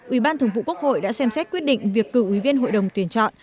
ủy ban thường vụ quốc hội đã xem xét quyết định việc cử ủy viên hội đồng tuyển chọn